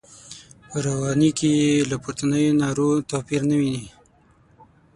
په رواني کې یې له پورتنیو نارو توپیر نه ویني.